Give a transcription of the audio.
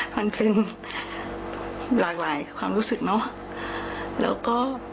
มันเป็นลากรายความรู้สึก